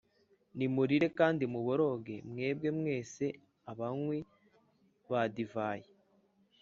nimurire kandi muboroge, mwebwe mwese abanywi ba divayi,